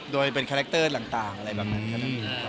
โดยเป็นคาแรคเตอร์ต่างอะไรแบบนั้น